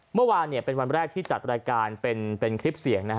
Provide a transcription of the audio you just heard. เมื่อวานเป็นวันแรกที่จัดรายการเป็นคลิปเสียง